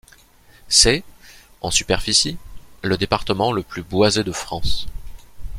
C’est, en superficie, le département le plus boisé de France.